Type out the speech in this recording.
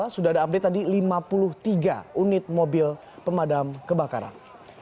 sudah ada update tadi lima puluh tiga unit mobil pemadam kebakaran